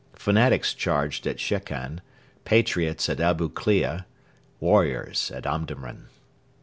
Fanatics charged at Shekan; patriots at Abu Klea; warriors at Omdurman.